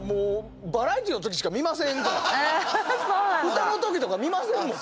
歌の時とか見ませんもん。